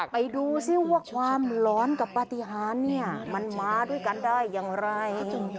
ไปดูซิว่าความร้อนกับปฏิหารเนี่ยมันมาด้วยกันได้อย่างไร